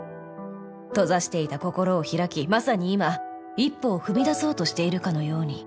閉ざしていた心を開きまさに今一歩を踏み出そうとしているかのように。